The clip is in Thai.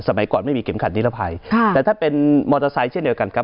สมัยก่อนไม่มีเข็มขัดนิรภัยค่ะแต่ถ้าเป็นมอเตอร์ไซค์เช่นเดียวกันครับ